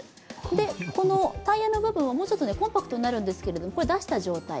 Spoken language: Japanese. で、このタイヤの部分はもうちょっとコンパクトになるんですがこれ、出した状態。